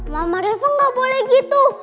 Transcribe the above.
mama reva gak boleh gitu